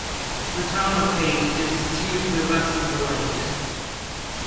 The town of Hayq is to the west of the lake.